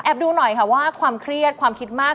ดูหน่อยค่ะว่าความเครียดความคิดมาก